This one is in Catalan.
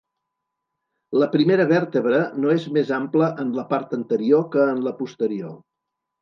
La primera vèrtebra no és més ampla en la part anterior que en la posterior.